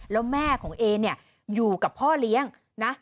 แล้วแม่ของเอเนี่ยอยู่กับพ่อเลี้ยงนะ